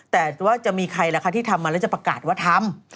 แต่ว่าจะมีใครล่ะคะที่ทำมาแล้วจะประกาศว่าทำ